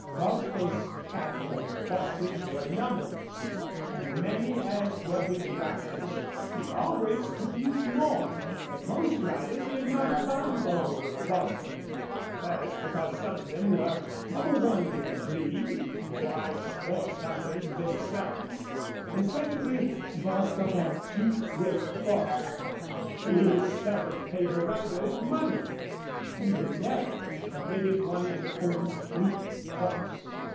Bostil's cattle and horses were numberless, and many as were his riders, he always could use more. But most riders did not abide long with Bostil, first because some of them were of a wandering breed, wild horse hunters themselves; and secondly, Bostil had two great faults: he seldom paid a rider in money, and he never permitted one to own a fleet horse.